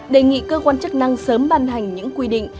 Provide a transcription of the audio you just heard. đề nghị cơ quan chức năng sớm ban hành những quy định